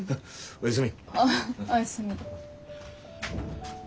おやすみ。